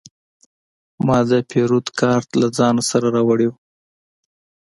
ما د پیرود کارت له ځان سره راوړی و.